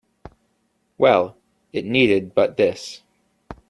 Well, it needed but this.